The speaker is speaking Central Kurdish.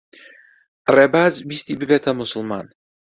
ڕێباز ویستی ببێتە موسڵمان.